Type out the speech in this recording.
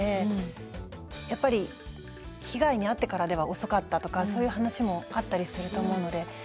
やっぱり被害に遭ってからでは遅かったとかそういう話もあったりすると思うので。